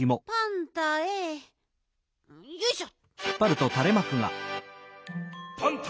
よいしょ！